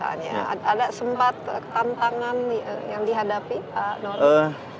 ada sempat tantangan yang dihadapi